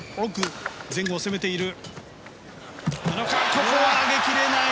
ここは上げきれない！